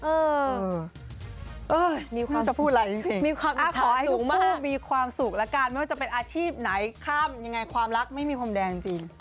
เออเออไม่ว่าจะพูดอะไรจริงอ้าวขอให้ทุกคนมีความสุขแล้วกันไม่ว่าจะเป็นอาชีพไหนข้ามยังไงความรักไม่มีผมแดงจริง